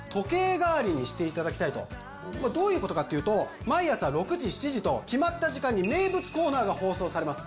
この番組をどういうことかっていうと毎朝６時７時と決まった時間に名物コーナーが放送されます